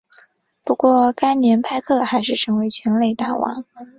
不过该年派克还是成为全垒打王。